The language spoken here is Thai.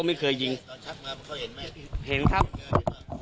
ชักมาเพราะมึงเห็นมั้ย